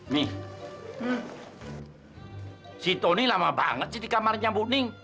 nih si tony lama banget sih di kamarnya buning